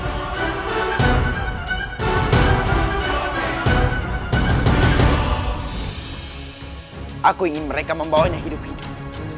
kukuhin mereka membawanya hidup hidup